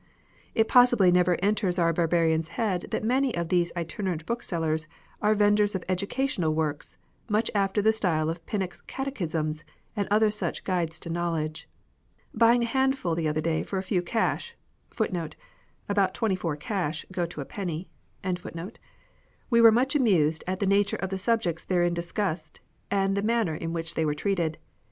It possibly never enters our barbarian's head that many of these itinerant book sellers are vendors of educational works, much after the style of Pinnock's Catechisms and other such guides to knowledge. Buying a handful the other day for a few cash,* we were much amused at the nature of the subjects therein discussed, and the man ner in which they were treated.